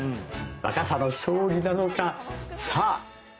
若さの勝利なのかさあ！